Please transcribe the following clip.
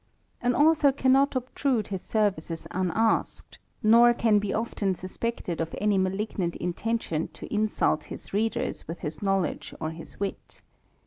An autho^ cannot obtrude his services unasked, nor can be often suspected of any malignant intention to insult his readers with his knowledge or his wit.